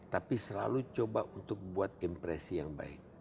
tapi selalu coba untuk buat impresi yang baik